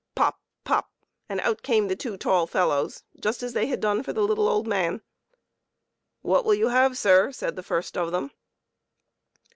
Pop! pop! and out came the two tall fel lows, just as they had done for the little old man. " What will you have, sir ?" said the first of them.